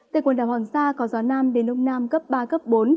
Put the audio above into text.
tại quần đảo hoàng sa có gió nam đến đông nam cấp ba cấp bốn